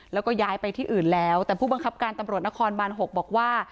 แล้วก็ย้ายไปที่อื่นแล้วแต่ผู้บังคับการตำรวจนครบาน๖บอกว่า